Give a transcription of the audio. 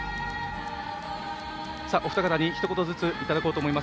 お二方にひと言ずついただこうと思います。